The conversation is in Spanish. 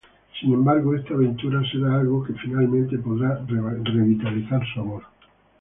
Sin embargo, esta aventura será algo que finalmente podrá revitalizar su amor.